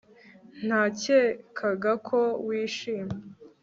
Nakekaga ko wishimye